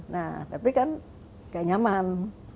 nah tapi kan gak nyaman